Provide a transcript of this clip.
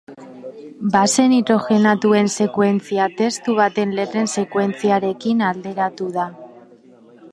Base nitrogenatuen sekuentzia testu baten letren sekuentziarekin alderatu da.